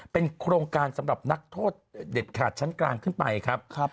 เป็นโครงการสำหรับนักโทษเด็ดขาดชั้นกลางขึ้นไปครับ